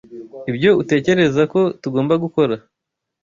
Nibyo utekereza ko tugomba gukora?